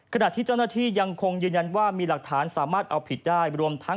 ขณะที่เจ้าหน้าที่ยังคงยืนยันว่ามีหลักฐานสามารถเอาผิดได้รวมทั้ง